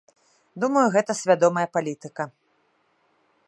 Думаю, гэта свядомая палітыка.